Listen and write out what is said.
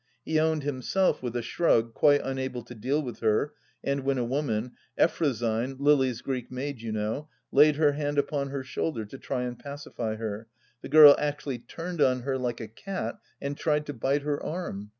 He owned himself, with a shrug, quite unable to deal with her, and when a woman, Effrosyne (Lily's Greek maid, you know), laid her hand upon her shoulder to try and pacify her, the girl actually turned on her like a cat and tried to bite her arm.